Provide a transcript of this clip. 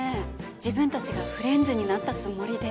自分たちがフレンズになったつもりで。